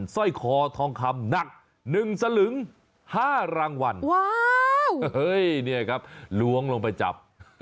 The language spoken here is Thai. สร้อยคอทองคำหนัก๑สลึง๕รางวัลว้าวเนี่ยครับล้วงลงไปจับ